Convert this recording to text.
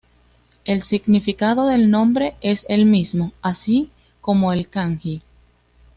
El significado del nombre es el mismo, así como el kanji.